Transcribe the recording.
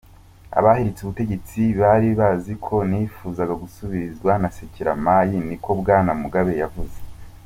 "Abahiritse ubutegetsi bari bazi ko nipfuza gusubirigwa na Sekeramayi," niko Bwana Mugabe yavuze.